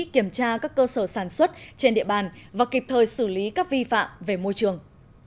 kiểm tra các cơ sở sản xuất trên địa bàn và kịp thời xử lý các vi phạm về môi trường